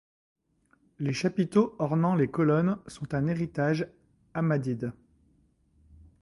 Les chapiteaux ornant les colonnes sont un héritage hammadide.